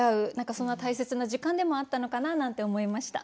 そんな大切な時間でもあったのかななんて思いました。